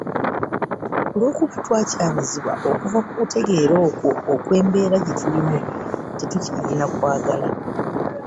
Olw’okuba twakyamizibwa okuva ku kutegeera okwo okw’embeera gye tulimu tetukyalina kwagala.